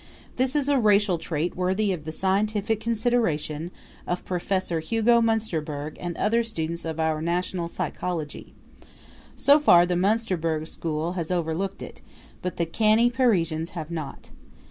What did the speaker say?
This is a racial trait worthy of the scientific consideration of Professor Hugo Munsterberg and other students of our national psychology. So far the Munsterberg school has overlooked it but the canny Parisians have not.